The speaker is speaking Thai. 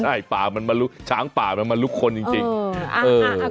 ใช่ป่ามันมาลุกช้างป่ามันมาลุกคนจริงจริงเออ